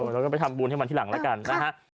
เราก็ไปทำบุญให้มันที่หลังแล้วกันนะฮะ